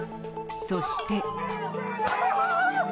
そして。